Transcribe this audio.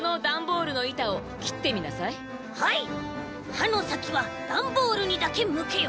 「はのさきはダンボールにだけむけよ！」。